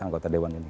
anggota dewan ini